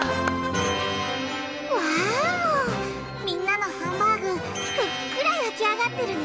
みんなのハンバーグふっくら焼き上がってるね！